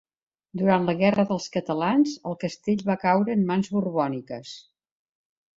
Durant la Guerra dels catalans el castell va caure en mans borbòniques.